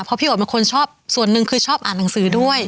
เพราะพี่โอดเป็นคนชอบส่วนหนึ่งคือชอบอ่านหนังสือด้วย